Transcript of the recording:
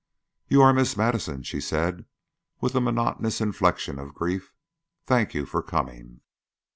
"You are Miss Madison," she said, with the monotonous inflection of grief. "Thank you for coming."